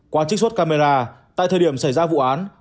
qua trích xuất camera tại thời điểm xảy ra vụ án